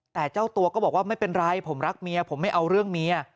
แต่เจ้าตัวก็บอกว่าไม่เป็นไรผมรักเมียผมไม่เอาเรื่องเมีย